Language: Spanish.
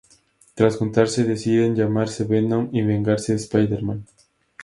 Tras juntarse, deciden llamarse Venom y vengarse de Spider-Man.